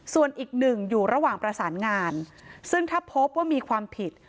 ส่วนอีกหนึ่งอยู่ระหว่างประสานงานซึ่งถ้าพบว่ามีความผิด